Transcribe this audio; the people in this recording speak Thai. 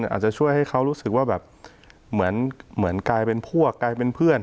อาจจะช่วยให้เขารู้สึกว่าแบบเหมือนกลายเป็นพวกกลายเป็นเพื่อน